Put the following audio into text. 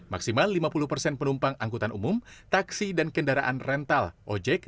maksimal lima puluh persen penumpang angkutan umum taksi dan kendaraan rental ojek